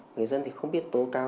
người dân không biết tố cao